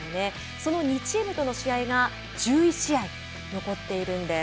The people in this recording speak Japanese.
その２チームとの試合が１１試合、残っているんです。